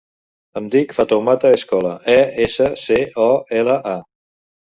Em dic Fatoumata Escola: e, essa, ce, o, ela, a.